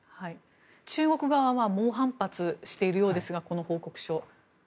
中国側は猛反発しているようですがこの報告書。